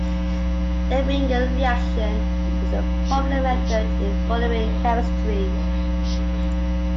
The Bingel reaction is a popular method in fullerene chemistry.